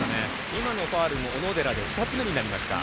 今のファウルで小野寺に２つ目になりました。